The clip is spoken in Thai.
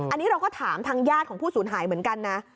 อันนี้เราก็ถามทางญาติของผู้สูญหายเหมือนกันนะ